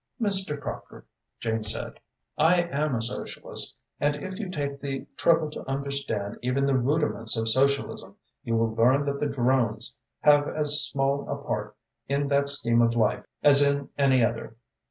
"Mr. Crockford," Jane said, "I am a Socialist and if you take the trouble to understand even the rudiments of socialism, you will learn that the drones have as small a part in that scheme of life as in any other.